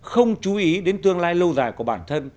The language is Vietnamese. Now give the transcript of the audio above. không chú ý đến tương lai lâu dài của bản thân